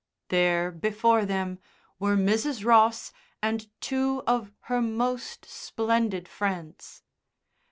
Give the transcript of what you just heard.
There before them were Mrs. Ross and two of her most splendid friends.